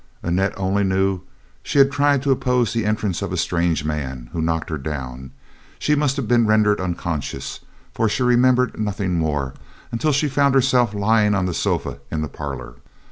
Annette only knew that she tried to oppose the entrance of a strange man, who knocked her down. She must have been rendered unconscious, for she remembered nothing more, until she found herself lying on the sofa in the parlor.